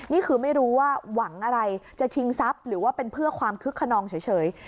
นี่คือไม่รู้ว่าหวังอะไรจะชิงทรัพย์หรือว่าเป็นเพื่อความคึกขนองเฉย